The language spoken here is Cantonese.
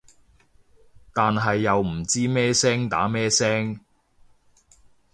但係又唔知咩聲打咩聲